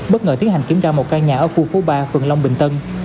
bất ngờ tiến hành kiểm tra một căn nhà ở khu phố ba phường long bình tân